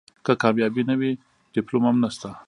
که کامیابي نه وي ډیپلوم هم نشته .